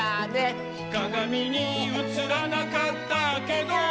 「かがみにうつらなかったけど」